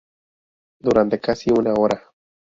Durante casi una hora.